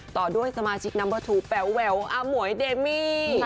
ต่อด้วยสมาชิกนัมเบอร์ทูแป๋วแววอมวยเดมมี่